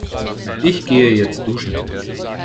Ich gehe jetzt duschen.